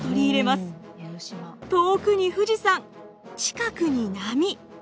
遠くに富士山近くに波。